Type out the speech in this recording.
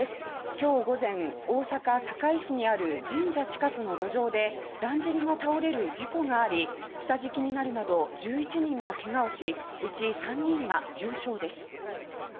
今日午前大阪堺市にある神社近くの路上でだんじりが倒れる事故があり下敷きになるなど１１人がけがをし、内３人が重傷です。